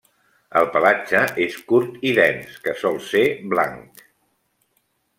El pelatge és curt i dens, que sol ser blanc.